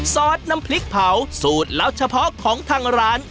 ซอสน้ำพริกเผาสูตรลับเฉพาะของทางร้าน